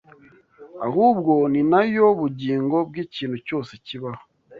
ahubwo ni na Yo bugingo bw’ikintu cyose kibaho